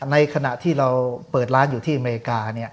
ในขณะที่เราเปิดร้านอยู่ที่อเมริกา